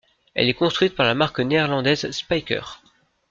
Elle est construite par la marque néerlandaise Spyker.